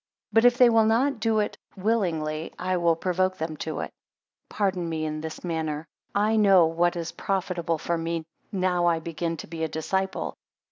But if they will not do it willingly, I will provoke them to it. 12 Pardon me in this matter; I know what is profitable for me, now I begin to be a disciple.